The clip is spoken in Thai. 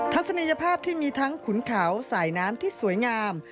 ทัศนียภาพที่มีทั้งขุนเขาสายน้ำที่สวยงาม